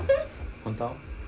本当？